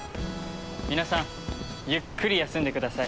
皆さんゆっくり休んでください。